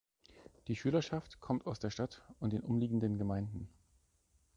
Die Schülerschaft kommt aus der Stadt und den umliegenden Gemeinden.